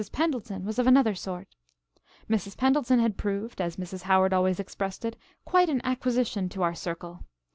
Pendleton was of another sort. Mrs. Pendleton had proved, as Mrs. Howard always expressed it, "quite an acquisition to our circle."